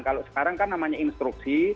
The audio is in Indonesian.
kalau sekarang kan namanya instruksi